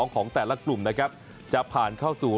ของแต่ละกลุ่มนะครับจะผ่านเข้าสู่